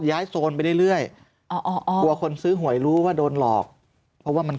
โซนไปเรื่อยกลัวคนซื้อหวยรู้ว่าโดนหลอกเพราะว่ามัน